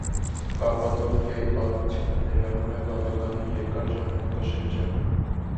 Կապադովկիայի պատմությունը ներառում է բավականին երկար ժամանակաշրջան։